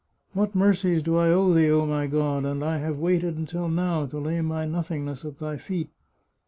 What mercies do I owe thee, oh, my God ! and I have waited until now to lay my nothingness at Thy feet.